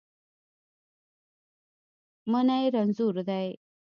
منی رنځور دی